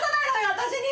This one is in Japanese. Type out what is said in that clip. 私に！